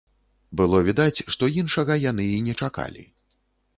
Было відаць, што іншага яны і не чакалі.